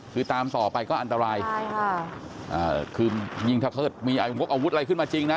คือตามต่อไปก็อันตรายคือยิงทะเกิดมีอาวุธอะไรขึ้นมาจริงนะ